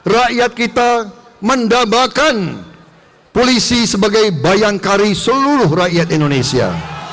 rakyat kita mendambakan polisi sebagai bayangkari seluruh rakyat indonesia